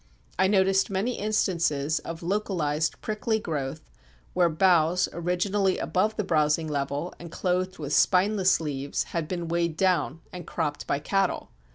I noticed many instances of localised prickly growth where boughs, originally above the browsing level, and clothed with spineless leaves, had been weighed down and cropped by cattle.